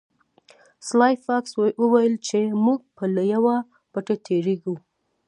سلای فاکس وویل چې موږ به له یوه پټي تیریږو